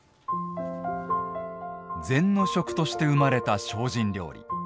禅の食として生まれた精進料理。